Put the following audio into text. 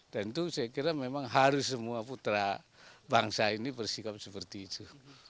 dan itu saya kira memang harus semua putra bangsa ini bersikap seperti itu